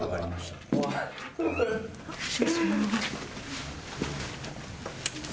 失礼します。